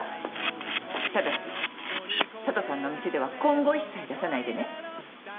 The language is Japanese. ただし佐都さんの店では今後一切出さないでね。